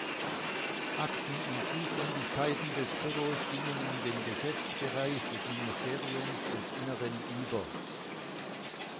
Akten und Zuständigkeiten des Büros gingen in den Geschäftsbereich des Ministeriums des Innern über.